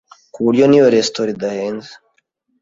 kuburyo niyo resitora idahenze,